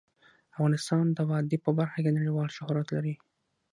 افغانستان د وادي په برخه کې نړیوال شهرت لري.